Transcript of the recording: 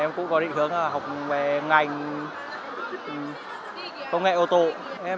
em cũng có định hướng là học về ngành công nghệ ô tô